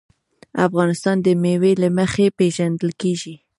افغانستان د مېوې له مخې پېژندل کېږي.